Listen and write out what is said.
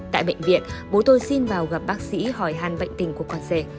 tại bệnh viện bố tôi xin vào gặp bác sĩ hỏi hàn bệnh tình của con rể